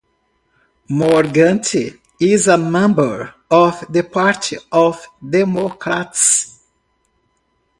Morganti is a member of the Party of Democrats.